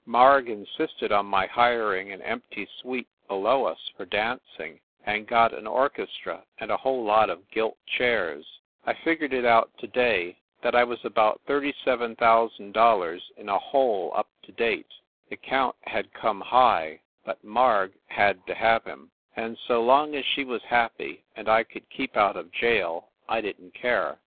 Marg insisted on my hiring an empty suite below us for dancing, and got an orchestra and a whole lot of gilt chairs. I figured it out to day that I was about $37,000 in a hole up to date. The count had come high, but Marg had to have him, and so long as she was happy and I could keep out of jail I didn t care.